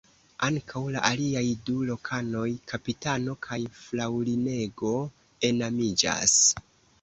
Ankaŭ la aliaj du lokanoj (kapitano kaj fraŭlinego) enamiĝas.